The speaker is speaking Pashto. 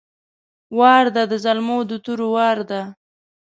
وار ده د زلمو د تورو وار ده!